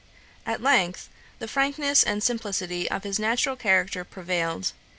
At length, the frankness and simplicity of his natural character prevailed.